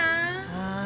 はい。